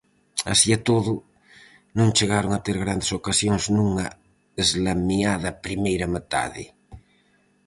Así e todo, non chegaron a ter grandes ocasións nunha eslamiada primeira metade.